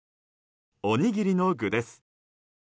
おにぎりの具です。